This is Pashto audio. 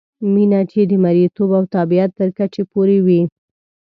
مینه چې د مریتوب او تابعیت تر کچې پورې وي.